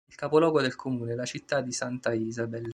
Il capoluogo del comune è la città di Santa Isabel.